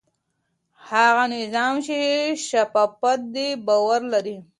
هغه نظام چې شفاف دی باور لري.